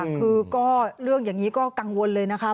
คือก็เรื่องอย่างนี้ก็กังวลเลยนะคะ